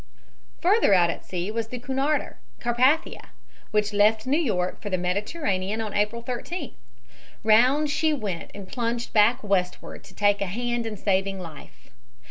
Further out at sea was the Cunarder, Carpathia, which left New York for the Mediterranean on April 13th. Round she went and plunged back westward to take a hand in saving life.